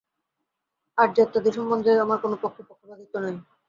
আর জাত্যাদি সম্বন্ধে আমার কোন পক্ষে পক্ষপাতিত্ব নাই।